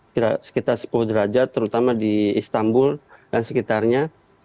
kira sekitar sepuluh derajat terutama di istanbul dan sekitarnya